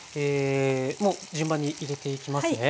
もう順番に入れていきますね。